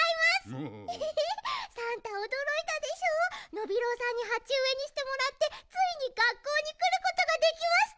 ノビローさんにはちうえにしてもらってついにがっこうにくることができました！